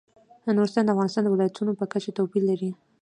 نورستان د افغانستان د ولایاتو په کچه توپیر لري.